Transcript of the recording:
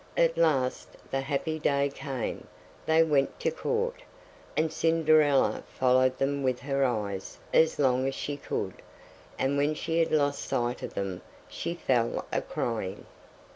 At last the happy day came; they went to Court, and Cinderella followed them with her eyes as long as she could, and when she had lost sight of them, she fell a crying.